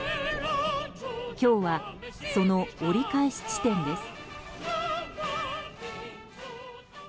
今日は、その折り返し地点です。